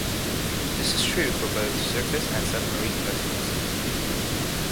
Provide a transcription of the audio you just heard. This is true for both surface and submarine vessels.